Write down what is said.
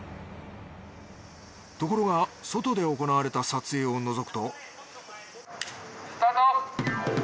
ところが外で行われた撮影を覗くとスタート！